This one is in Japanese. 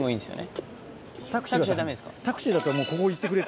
タクシーだともう「ここ行ってくれ」。